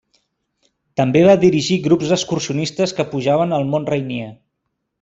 També va dirigir grups excursionistes que pujaven el mont Rainier.